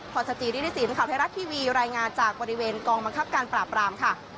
สจิริสินข่าวไทยรัฐทีวีรายงานจากบริเวณกองบังคับการปราบรามค่ะ